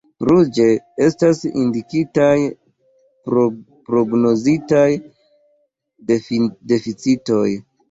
Ruĝe estas indikitaj prognozitaj deficitoj.